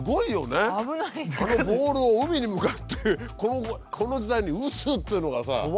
あのボールを海に向かってこの時代に打つっていうのがさすごいね。